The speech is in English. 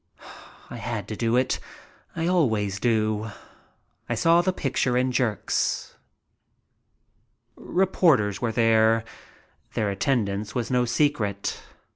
I had to do it. I always do. I saw the picture in jerks. Reporters were there. Their attendance was no secret.